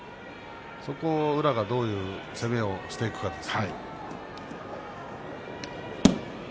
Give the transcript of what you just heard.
そこに宇良がどういう攻めを見せるかですね。